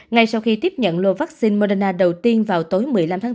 ngay sau khi tiếp nhận lô vaccine moderna đầu tiên vào tối một mươi năm tháng bốn